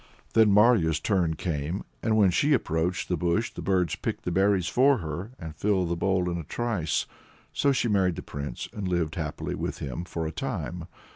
Then Marya's turn came, and when she approached the bush the birds picked the berries for her, and filled the bowl in a trice. So she married the prince, and lived happily with him for a time.